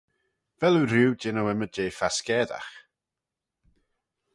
Vel oo rieau jannoo ymmyd jeh fascaidagh?